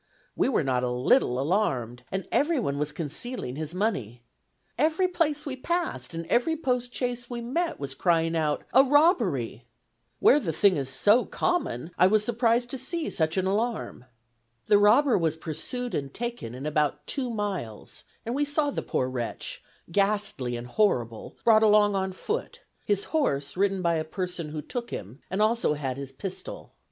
We were not a little alarmed, and everyone was concealing his money. Every place we passed and every post chaise we met was crying out, 'A robbery!' Where the thing is so common, I was surprised to see such an alarm. The robber was pursued and taken in about two miles, and we saw the poor wretch, ghastly and horrible, brought along on foot: his horse ridden by a person who took him, who also had his pistol.